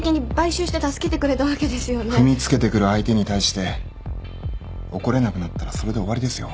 踏みつけてくる相手に対して怒れなくなったらそれで終わりですよ。